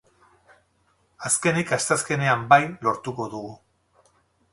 Azkenik asteazkenean, bai, lortuko dugu.